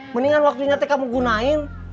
mendingan waktunya kamu gunain